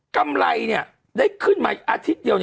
กำไรได้ขึ้นมาอาทิตย์เดียว